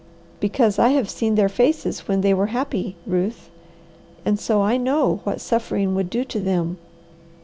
"Because I have seen their faces when they were happy, Ruth, and so I know what suffering would do to them.